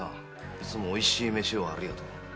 いつもおいしい飯をありがとう」